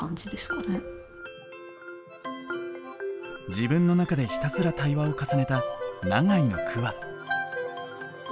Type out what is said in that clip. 自分の中でひたすら対話を重ねた永井の句は。